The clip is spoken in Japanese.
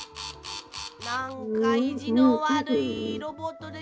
なんかいじのわるいロボットです。